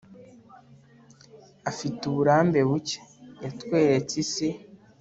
afite uburambe buke, yatweretse isi